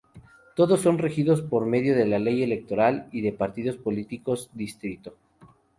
Todos son regidos por medio de la Ley Electoral y de Partidos Políticos, Dto.